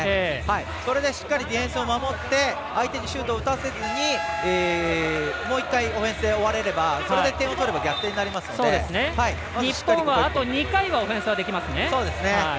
それでしっかりディフェンスで守って相手にシュートを打たせずにもう１回オフェンスで終われればそれで点を取れば日本はあと２回のオフェンスができますね。